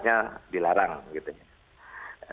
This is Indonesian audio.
dan itu juga penangkan keputusan yang terkait